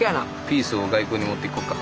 ピースを外国に持っていこうか。